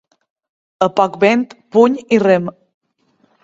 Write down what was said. A poc vent, puny i rem.